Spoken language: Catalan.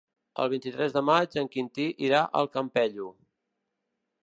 El vint-i-tres de maig en Quintí irà al Campello.